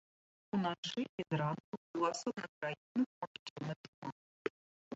Уначы і зранку ў асобных раёнах магчымы туман.